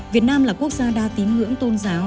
việt nam là quốc gia đa tín ngưỡng tôn giáo